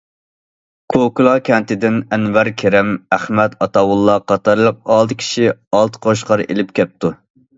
كوكۇلا كەنتىدىن ئەنۋەر كېرەم، ئەخمەت ئاتاۋۇللا قاتارلىق ئالتە كىشى ئالتە قوچقار ئېلىپ كەپتۇ.